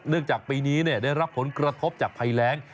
เนื่องจากปีนี้ได้รับผลกระทบจากไพร้ง